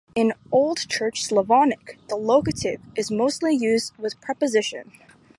In Old Church Slavonic, the locative is mostly used with preposition.